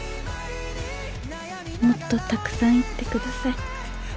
もっとたくさん言ってください